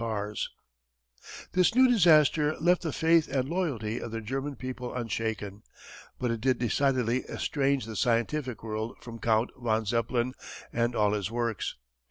_ Photo by Press Illustrating Service.] This new disaster left the faith and loyalty of the German people unshaken. But it did decidedly estrange the scientific world from Count von Zeppelin and all his works.